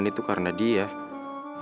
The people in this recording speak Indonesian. kalau perempuan berantakan menemukan gini